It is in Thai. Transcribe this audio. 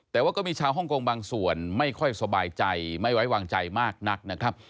แต่ว่าก็มีชาวฮ่องกงบางส่วนไม่ค่อยสบายใจไม่ไว้วางใจมากนักนะครับ